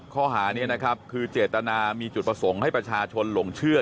ข้อหานี้นะครับคือเจตนามีจุดประสงค์ให้ประชาชนหลงเชื่อ